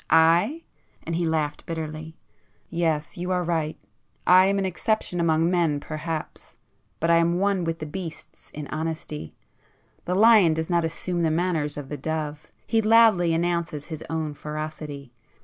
I?"—and he laughed bitterly—"Yes, you are right; I am an exception among men perhaps,—but I am one with the beasts in honesty! The lion does not assume the manners of the dove,—he loudly announces his own ferocity.